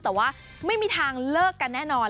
แต่ว่าไม่มีทางเลิกกันแน่นอน